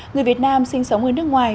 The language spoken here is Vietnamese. người việt nam sinh sống ở nước ngoài